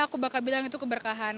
aku bakal bilang itu keberkahan